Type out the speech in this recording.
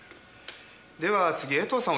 では次江藤さん